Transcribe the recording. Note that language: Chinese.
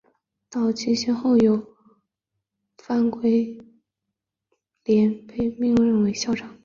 早期先后有范源濂被任命校长。